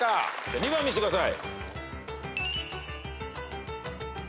２番見してください！